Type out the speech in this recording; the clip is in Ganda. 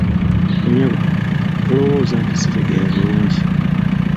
Nnyabo, tolowooza nti sitegeera bulungi.